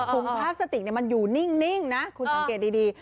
พลาสติกมันอยู่นิ่งนะคุณสังเกตดี